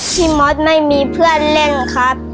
มอสไม่มีเพื่อนเล่นครับ